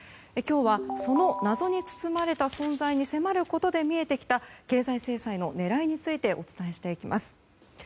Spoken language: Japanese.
今日はその謎に包まれた存在に迫ることで見えてきた経済制裁の狙いについてお伝えしていきます。